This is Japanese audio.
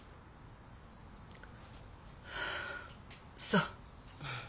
そう。